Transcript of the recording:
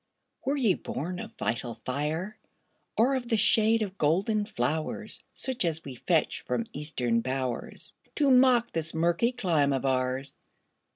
Were ye born of vital fire? Or of the shade of golden flowers, Such as we fetch from Eastern bowers, To mock this murky clime of ours?